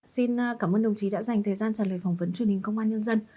xin cảm ơn đồng chí đã dành thời gian trả lời phỏng vấn truyền hình công an nhân dân